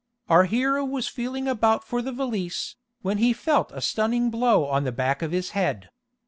Our hero was feeling about for the valise, when he felt a stunning blow on the back of his head.